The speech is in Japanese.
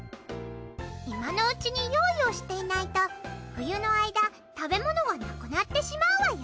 今のうちに用意をしていないと冬の間食べ物がなくなってしまうわよ。